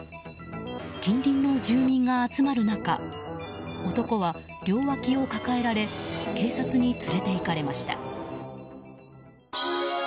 近隣の住民が集まる中男は両わきを抱えられ警察に連れていかれました。